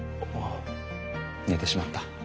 寝てしまった。